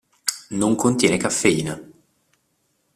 Non contiene caffeina.